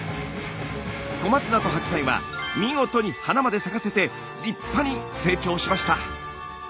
小松菜と白菜は見事に花まで咲かせて立派に成長しました。